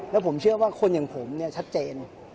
แล้วผมเชื่อว่าคนอย่างผมเนี่ยชัดเจน